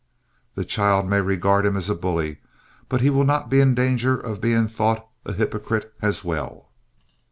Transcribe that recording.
The child may regard him as a bully, but he will not be in danger of being thought a hypocrite as well.